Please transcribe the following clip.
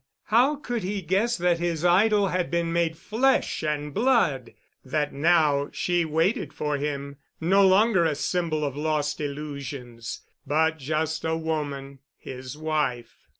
How could he guess that his Idol had been made flesh and blood—that now she waited for him, no longer a symbol of lost illusions, but just a woman—his wife.